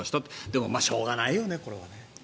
でも、しょうがないよねこれは。